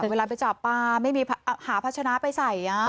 เวลาไปจับปลาไม่มีหาพัชนะไปใส่